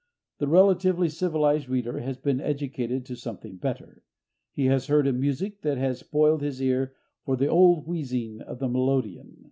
The relatively civilized reader has been educated to something better. He has heard a music that has spoiled his ear for the old wheezing of the melodeon.